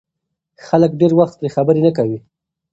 خلک ډېر وخت پرې خبرې نه کوي.